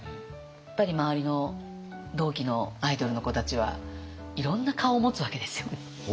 やっぱり周りの同期のアイドルの子たちはいろんな顔を持つわけですよね。